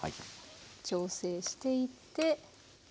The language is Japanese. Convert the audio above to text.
調整していって。